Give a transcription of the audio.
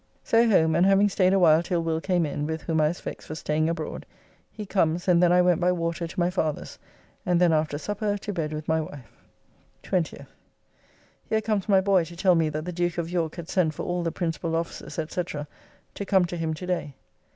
So home, and having staid awhile till Will came in (with whom I was vexed for staying abroad), he comes and then I went by water to my father's, and then after supper to bed with my wife. 20th. Here comes my boy to tell me that the Duke of York had sent for all the principal officers, &c., to come to him to day.